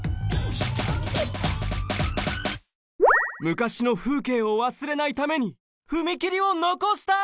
昔の風景をわすれないために踏切をのこした！